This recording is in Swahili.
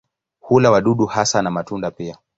Hula wadudu hasa na matunda pia.